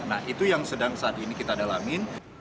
nah itu yang sedang saat ini kita dalamin